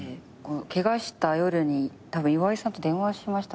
ケガした夜にたぶん岩井さんと電話しましたっけ？